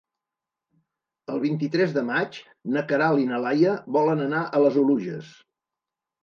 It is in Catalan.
El vint-i-tres de maig na Queralt i na Laia volen anar a les Oluges.